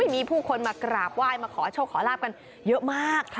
มีผู้คนมากราบไหว้มาขอโชคขอลาบกันเยอะมาก